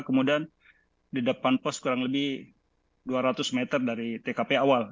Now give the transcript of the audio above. kemudian di depan pos kurang lebih dua ratus meter dari tkp awal